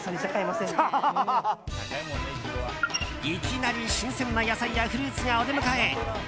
いきなり新鮮な野菜やフルーツがお出迎え。